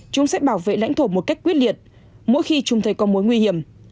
chúng sẽ bảo vệ lãnh thổ một cách quyết liệt mỗi khi chúng thấy có mối nguy hiểm